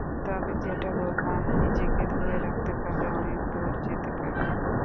তবে যেটা বললাম, নিজেকে ধরে রাখতে পারলে অনেক দূর যেতে পারবে।